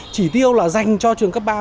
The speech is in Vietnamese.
chỉ tiêu dành cho trường cấp ba